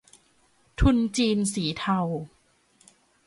ทุนจีนสีเทา